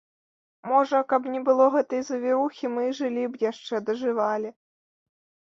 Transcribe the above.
Можа, каб не было гэтай завірухі, мы і жылі б яшчэ, дажывалі.